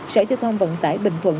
sở thông vận tải bình thuận